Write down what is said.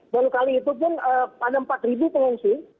baru kali itu pun ada empat pengungsi